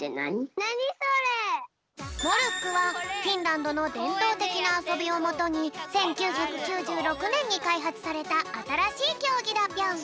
モルックはフィンランドのでんとうてきなあそびをもとに１９９６ねんにかいはつされたあたらしいきょうぎだぴょん。